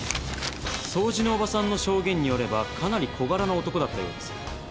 掃除のおばさんの証言によればかなり小柄な男だったようです。